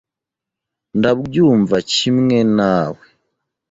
Ndabyumva kimwe nawe.